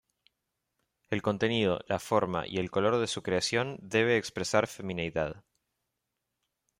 El contenido, la forma y el color de su creación debe expresar femineidad.